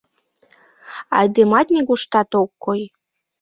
Айдемат нигуштат ок кой.